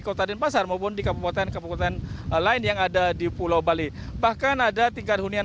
kota denpasar maupun di kabupaten kabupaten lain yang ada di pulau bali bahkan ada tingkat hunian